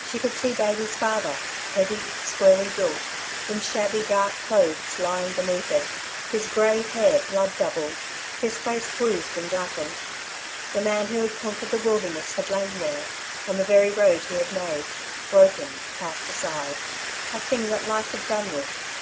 She could see Davey's father, heavy, squarely built, in shabby, dark clothes, lying beneath it, his grey hair blood dabbled, his face bruised and blackened. The man who had conquered the wilderness had lain there, on the very road he had made, broken, cast aside a thing that life had done with.